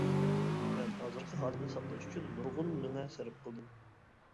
مەن ھازىرقى ھالەتنى ساقلاش ئۈچۈن نۇرغۇن مېڭە سەرپ قىلدىم.